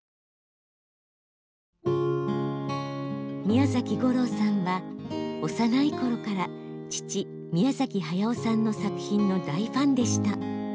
宮崎吾朗さんは幼い頃から父宮駿さんの作品の大ファンでした。